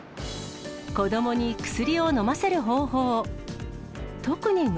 子どもに薬を飲ませる方法。